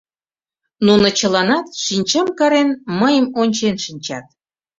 Нуно чыланат, шинчам карен, мыйым ончен шинчат.